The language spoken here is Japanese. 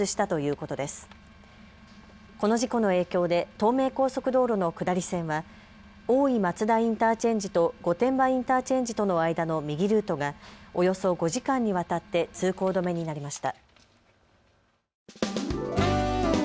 この事故の影響で東名高速道路の下り線は大井松田インターチェンジと御殿場インターチェンジとの間の右ルートがおよそ５時間にわたって通行止めになりました。